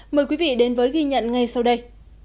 mời quý vị đến với ghi nhận ngay sau đây